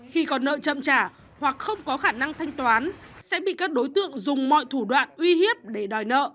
khi còn nợ chậm trả hoặc không có khả năng thanh toán sẽ bị các đối tượng dùng mọi thủ đoạn uy hiếp để đòi nợ